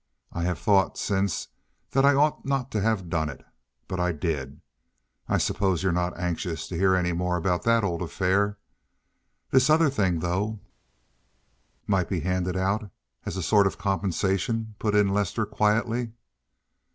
I have thought since that I ought not to have done it, but I did. I suppose you're not anxious to hear any more about that old affair. This other thing though—" "Might be handed out as a sort of compensation," put in Lester quietly.